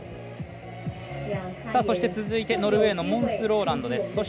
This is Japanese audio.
そして、続いてノルウェーのモンス・ローランドです。